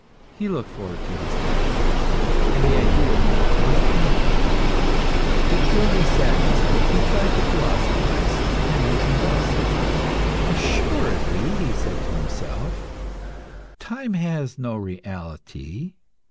He looked forward to his death, and the idea was painful to him. To cure his sadness he tried to philosophise, and reasoned thus "Assuredly," he said to himself, "time has no reality.